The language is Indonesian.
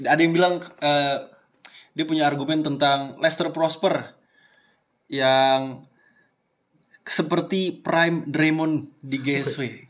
ada yang bilang dia punya argumen tentang lester prosper yang seperti prime dremon di gsw